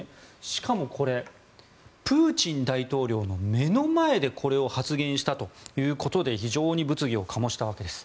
しかも、プーチン大統領の目の前でこれを発言したということで非常に物議を醸したわけです。